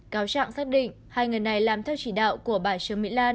cáo trạng xác định hai người này làm theo chỉ đạo của bà trương mỹ lan